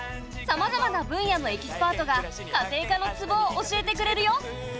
さまざまな分野のエキスパートが家庭科のツボを教えてくれるよ。